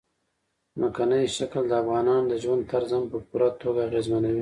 ځمکنی شکل د افغانانو د ژوند طرز هم په پوره توګه اغېزمنوي.